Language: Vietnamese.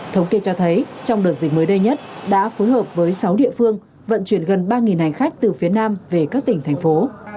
thống kê cho thấy trong đợt dịch mới đây nhất đã phối hợp với sáu địa phương vận chuyển gần ba hành khách từ phía nam về các tỉnh thành phố